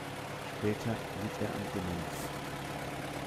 Später litt er an Demenz.